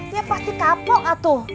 ya pasti kapok atuh